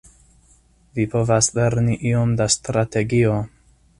Vi povas lerni iom da strategio.